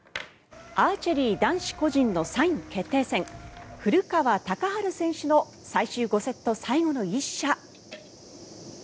アーチェリー男子個人の３位決定戦古川高晴選手の最終５セット最後の一射。